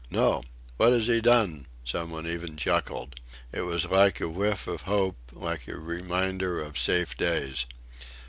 "No!".... "What 'as he done?" Some one even chuckled. It was like a whiff of hope, like a reminder of safe days.